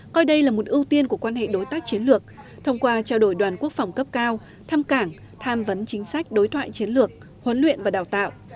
coi đây là một ưu tiên của quan hệ đối tác chiến lược thông qua trao đổi đoàn quốc phòng cấp cao thăm cảng tham vấn chính sách đối thoại chiến lược huấn luyện và đào tạo